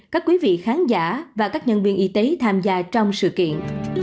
các quý vị khán giả và các nhân viên y tế tham gia trong sự kiện